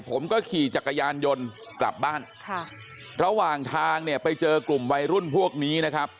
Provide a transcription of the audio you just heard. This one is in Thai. ผมก็ขี่จักรยานยนต์กลับบ้านค่ะระหว่างทางเนี่ยไปเจอกลุ่มวัยรุ่นพวกนี้นะครับ